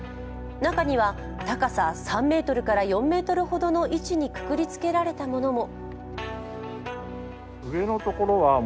中には高さ３ｍから４ｍほどの位置にくくりつけられたものも。